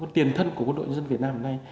tiền thân của quân đội dân việt nam hôm nay